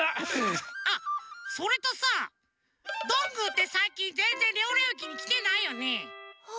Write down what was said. あっそれとさどんぐーってさいきんぜんぜんレオレオ駅にきてないよね？